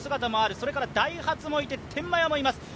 それからダイハツもいて天満屋もいます。